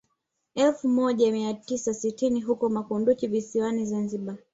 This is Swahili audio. Elfu moja mia tisa sitini huko makunduchi visiwani Zanzibari